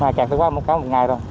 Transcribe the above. mà cạt từ qua một ngày rồi